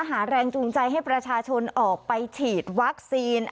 หาแรงจูงใจให้ประชาชนออกไปฉีดวัคซีน